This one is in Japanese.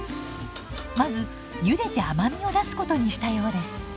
まずゆでて甘みを出すことにしたようです。